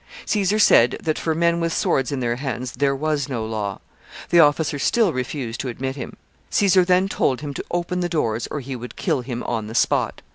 Caesar said that, for men with swords in their hands, there was no law. The officer still refused to admit him. Caesar then told him to open the doors, or he would kill him on the spot.